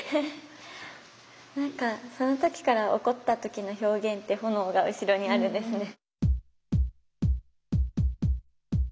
何かその時から怒った時の表現って炎が後ろにあるんですね。